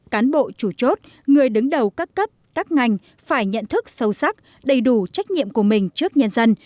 cán bộ chủ chốt người đứng đầu các cấp các ngành phải nhận thức sâu sắc đầy đủ trách nhiệm của mình trước nhân dân